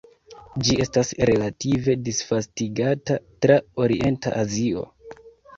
Ĝi estas relative disvastigata tra orienta Azio.